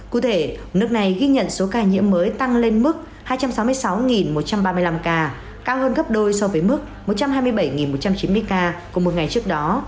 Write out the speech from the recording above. cụ thể nước này ghi nhận số ca nhiễm mới tăng lên mức hai trăm sáu mươi sáu một trăm ba mươi năm ca cao hơn gấp đôi so với mức một trăm hai mươi bảy một trăm chín mươi ca của một ngày trước đó